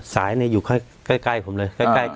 สายเนี่ยอยู่ใกล้ผมเลย